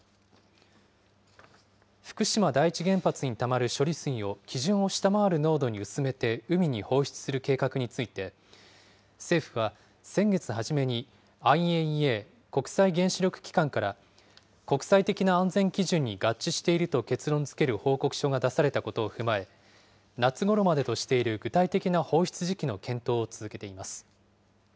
福島第一原発にたまる処理水を基準を下回る濃度に薄めて海に放出する計画について、政府は先月初めにＩＡＥＡ・国際原子力機関から国際的な安全基準に合致していると結論づける報告書が出されたことを踏まえ、夏ごろまでとしている具体的な放出時期の検討を続けています。